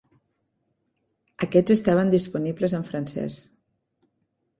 Aquests estaven disponibles en francès.